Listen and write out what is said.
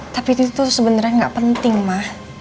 tapi itu tuh sebenernya gak penting ma